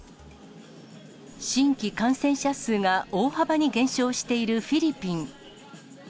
新規感染者数が大幅に減少しているフィリピン。